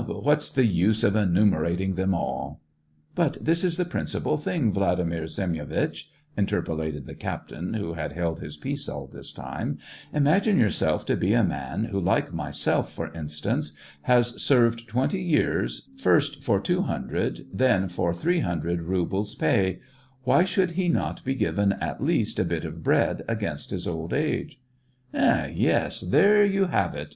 but what's the use of enumerating them all !" "But this is the principal thing, Vladimir Sem yonitch," interpolated the captain, who had held his peace all this time; "imagine yourself to be a man who, like myself, for instance, has served twenty years, first for two hundred, then for three hundred rubles pay ; why should he not ^ be given at least a bit of bread, against his old age t "" Eh ! yes, there you have it